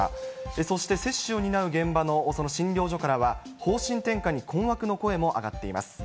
そして接種を担う現場の診療所からは、方針転換に不安の声も上がっています。